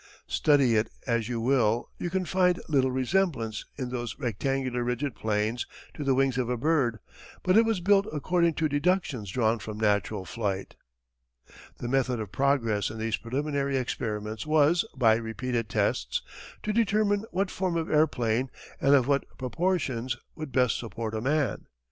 Study it as you will you can find little resemblance in those rectangular rigid planes to the wings of a bird. But it was built according to deductions drawn from natural flight. [Illustration: Photo by Paul Thompson. A German Taube Pursued by British Planes.] The method of progress in these preliminary experiments was, by repeated tests, to determine what form of airplane, and of what proportions, would best support a man.